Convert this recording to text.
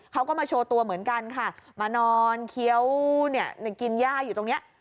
เขาก็มาโชว์ตัวเหมือนกันค่ะมานอนเคี้ยวกินย่าอยู่ตรงนี้